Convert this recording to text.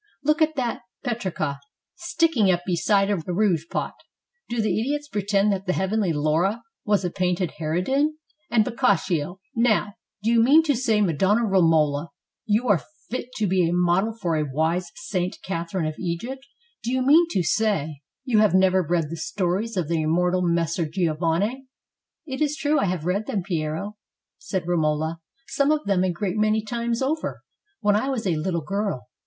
Look at that Petrarca sticking up beside a rouge pot: do the idiots pretend that the heavenly Laura was a painted harridan? And Boccaccio, now: do you mean to say, Madonna Romola — you who are fit to be a model for a wise Saint Catherine of Egypt, — do you mean to say 6i ITALY you have never read the stories of the immortal Messer Giovanni? " "It is true I have read them, Piero," said Romola. " Some of them a great many times over, when I was a little girl.